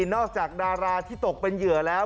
นอกจากดาราที่ตกเป็นเหยื่อแล้ว